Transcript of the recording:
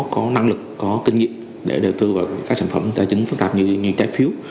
có năng lực có kinh nghiệm để đầu tư vào các sản phẩm tài chính phức tạp như trái phiếu